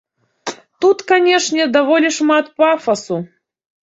Тут, канешне, даволі шмат пафасу.